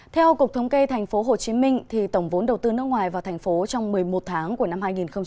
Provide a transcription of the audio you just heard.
theo cục thống kê tp hcm tổng vốn đầu tư nước ngoài vào thành phố trong một mươi một tháng của năm hai nghìn hai mươi